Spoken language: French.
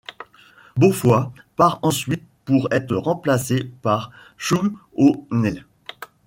Beaufoy part ensuite pour être remplacé par Shug O'Neill.